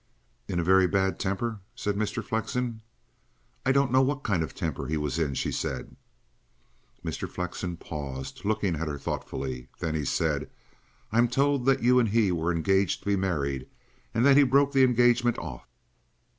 "In a very bad temper?" said Mr. Flexen. "I don't know what kind of a temper he was in," she said. Mr. Flexen paused, looking at her thoughtfully. Then he said: "I'm told that you and he were engaged to be married, and that he broke the engagement off."